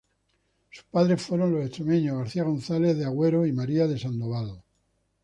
Sus padres fueron los extremeños García Gonzáles de Agüero y María de Sandoval.